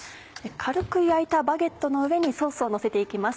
軽く焼いたバゲットの上にソースをのせて行きます。